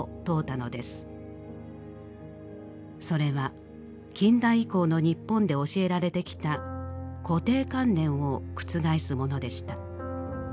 それは近代以降の日本で教えられてきた固定観念を覆すものでした。